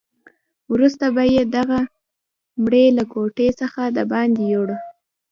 وروسته به یې دغه مړی له کوټې څخه دباندې یووړ.